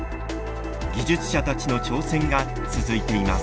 技術者たちの挑戦が続いています。